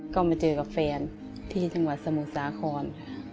ก็มาเจอกับแฟนที่จังหวัดสมุทรสาคร